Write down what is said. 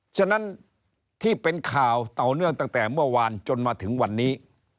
ฉะนั้นที่เป็นข่าวต่อเนื่องตั้งแต่เมื่อวานจนมาถึงวันนี้